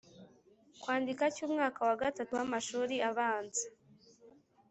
kwandika cy’umwaka wa gatatu w’amashuri abanza,